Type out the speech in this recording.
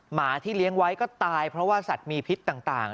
หมาที่เลี้ยงไว้ก็ตายเพราะว่าสัตว์มีพิษต่าง